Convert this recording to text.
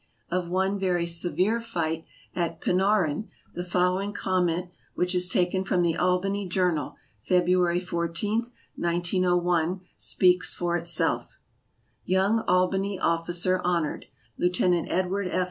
Of one very severe fight at Pinauran the following comment which is taken from The Albany Journal, February 14, 1901, speaks for itself : YOUNG ALBANY OFFICER HONORED Lieutenant Edward F.